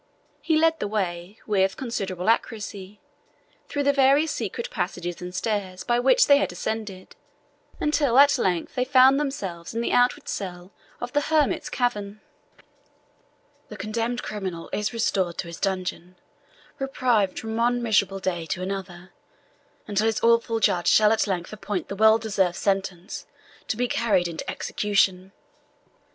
He led the way, with considerable accuracy, through the various secret passages and stairs by which they had ascended, until at length they found themselves in the outward cell of the hermit's cavern. "The condemned criminal is restored to his dungeon, reprieved from one miserable day to another, until his awful Judge shall at length appoint the well deserved sentence to be carried into execution."